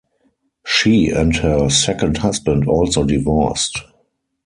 She and her second husband also divorced.